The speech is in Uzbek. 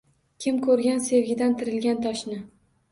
Kim ko’rgan sevgidan tirilgan toshni?!